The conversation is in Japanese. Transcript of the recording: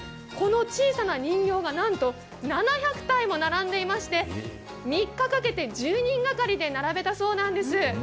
この小さな人形がなんと７００体も並んでいまして、３日かけて１０人がかりで並べたそうなんです。